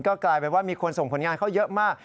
ก็กลายเป็นว่ามีคนส่งผลงานเขาเยอะมาก